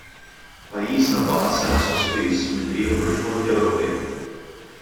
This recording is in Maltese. Pajjiżna baqa' sena sospiż milli jieħu l-fondi Ewropej.